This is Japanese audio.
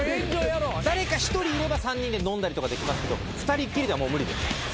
誰か１人いれば３人で飲んだりとかできますけど２人きりではもう無理。